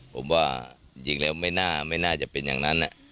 ผมว่าจริงแล้วไม่น่าจะเป็นอย่างนั้น